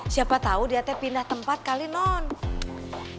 siapa tau dia tuh pindah tempat kali nanti